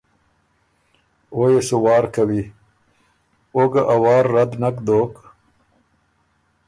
او يې سُو وار کوی۔ او ګۀ ا وار رد نک دوک